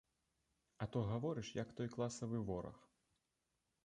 А то гаворыш, як той класавы вораг.